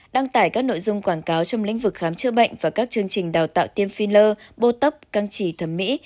đăng tải các nội dung quảng cáo trong lĩnh vực khám chữa bệnh và các chương trình đào tạo tiêm phin lơ bô tốc căng chỉ thẩm mỹ